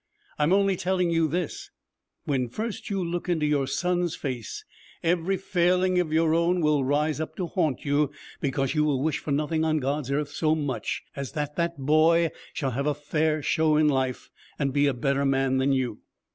I'm only telling you this: when first you look into your son's face, every failing of your own will rise up to haunt you because you will wish for nothing on God's earth so much as that that boy shall have a fair show in life and be a better man than you.